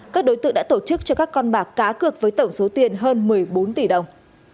các đối tượng đã tổ chức cho các con bạc cá cược với tổng số tiền hơn một mươi bốn tỷ đồng